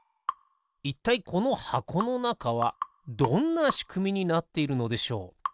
いったいこのはこのなかはどんなしくみになっているのでしょう？